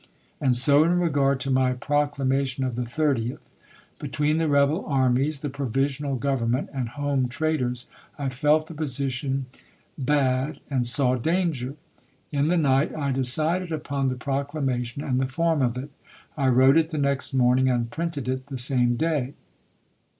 And so in regard to my proclamation of the 30th. Between the rebel armies, the Provisional Government, and home traitors, I felt the position bad and saw danger. In the night I decided upon the proc lamation and the form of it. I wi ote it the next morning and printed it the same day.